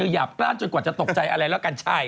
อย่าปล้าดเจอใจอะไรละกันใช่